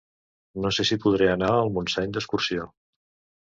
No sé si podré anar al Montseny d'excursió.